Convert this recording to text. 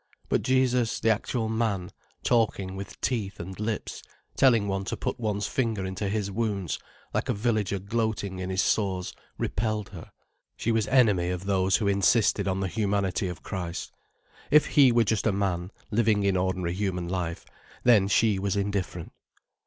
But Jesus the actual man, talking with teeth and lips, telling one to put one's finger into His wounds, like a villager gloating in his sores, repelled her. She was enemy of those who insisted on the humanity of Christ. If He were just a man, living in ordinary human life, then she was indifferent.